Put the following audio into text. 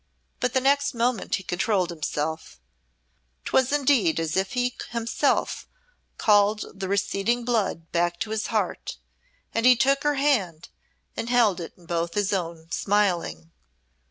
But the next moment he controlled himself; 'twas indeed as if he himself called the receding blood back to his heart, and he took her hand and held it in both his own, smiling.